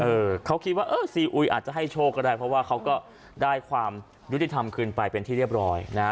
เออเขาคิดว่าเออซีอุยอาจจะให้โชคก็ได้เพราะว่าเขาก็ได้ความยุติธรรมคืนไปเป็นที่เรียบร้อยนะฮะ